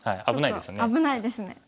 危ないですね。